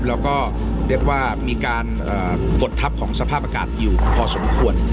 แล้วก็เรียกว่ามีการกดทัพของสภาพอากาศอยู่พอสมควร